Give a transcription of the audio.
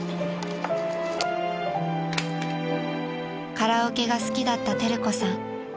［カラオケが好きだった輝子さん］